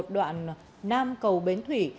đoạn nam cầu bến thủy